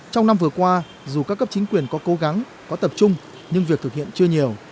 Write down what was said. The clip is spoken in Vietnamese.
trong năm vừa qua dù các cấp chính quyền có cố gắng có tập trung nhưng việc thực hiện chưa nhiều